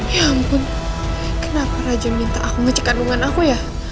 ya ampun kenapa raja minta aku ngecek kandungan aku ya